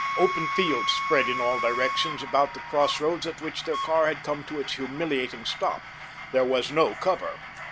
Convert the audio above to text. Open fields spread in all directions about the crossroads at which their car had come to its humiliating stop. There was no cover.